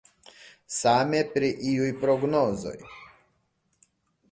Same pri iuj prognozoj.